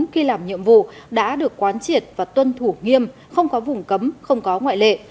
khi làm nhiệm vụ đã được quán triệt và tuân thủ nghiêm không có vùng cấm không có ngoại lệ